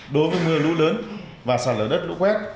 đối với mưa lũ lớn và sạt lở đất lũ quét